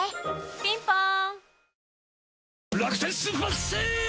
ピンポーン